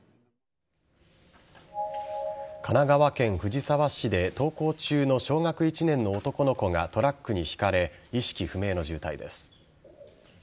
神奈川県藤沢市で登校中の小学１年の男の子がトラックにひかれ意識不明の重体です。